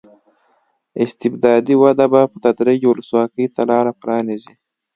استبدادي وده به په تدریج ولسواکۍ ته لار پرانېزي.